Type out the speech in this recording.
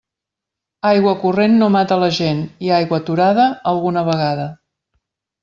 Aigua corrent no mata la gent i aigua aturada alguna vegada.